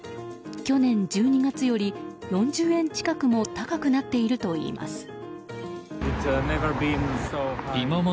去年１２月より４０円近くも高くなっているといいます。